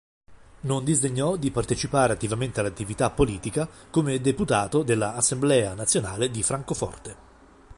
Non disdegnò di partecipare attivamente all'attività politica come deputato della Assemblea nazionale di Francoforte.